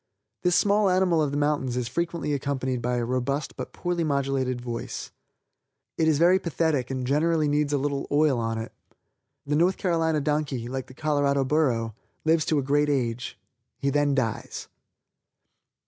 This small animal of the mountains is frequently accompanied by a robust but poorly modulated voice. It is very pathetic and generally needs a little oil on it. The North Carolina donkey like the Colorado burro, lives to a great age. He then dies.